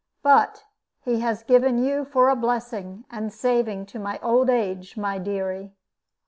But he has given you for a blessing and saving to my old age, my dearie."